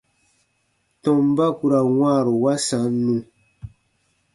Tɔmba ku ra wãaru wa sannu.